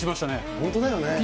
本当だよね。